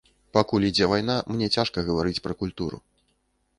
Пакуль ідзе вайна, мне цяжка гаварыць пра культуру.